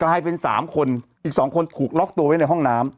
กลายเป็น๓คนอีก๒คนถูกล็อกตัวไว้ในห้องน้ำ